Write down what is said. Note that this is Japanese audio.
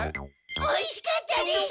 おいしかったです！